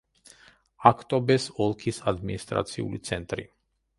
აქტობეს ოლქის ადმინისტრაციული ცენტრი.